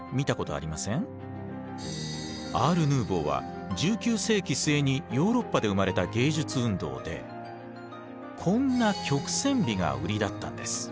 アール・ヌーヴォーは１９世紀末にヨーロッパで生まれた芸術運動でこんな曲線美が売りだったんです。